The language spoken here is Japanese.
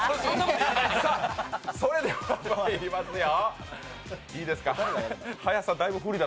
それではまいりますよ。